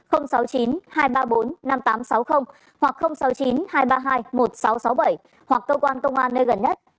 sáu mươi chín hai trăm ba mươi bốn năm nghìn tám trăm sáu mươi hoặc sáu mươi chín hai trăm ba mươi hai một nghìn sáu trăm sáu mươi bảy hoặc cơ quan công an nơi gần nhất